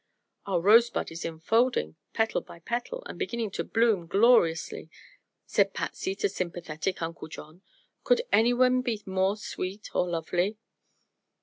"Our rosebud is unfolding, petal by petal, and beginning to bloom gloriously," said Patsy to sympathetic Uncle John. "Could anyone be more sweet or lovely?"